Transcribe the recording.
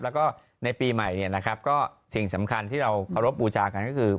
แล้วก็ในปีใหม่เนี่ยนะครับก็สิ่งสำคัญที่เราเคารพบูชากันก็คือ